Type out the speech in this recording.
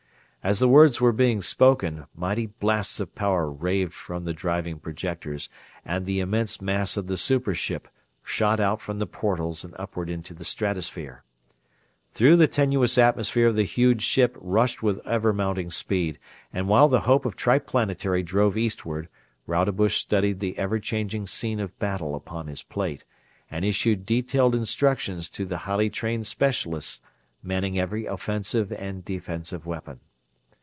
As the words were being spoken, mighty blasts of power raved from the driving projectors and the immense mass of the super ship shot out through the portals and upward into the stratosphere. Through the tenuous atmosphere the huge ship rushed with ever mounting speed, and while the hope of Triplanetary drove eastward Rodebush studied the ever changing scene of battle upon his plate and issued detailed instructions to the highly trained specialists manning every offensive and defensive weapon.